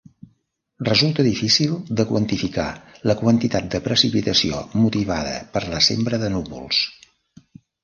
Resulta difícil de quantificar la quantitat de precipitació motivada per la sembra de núvols.